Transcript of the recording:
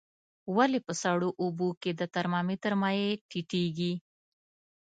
ولې په سړو اوبو کې د ترمامتر مایع ټیټیږي؟